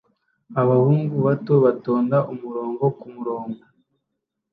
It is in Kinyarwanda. Abahungu bato batonda umurongo kumurongo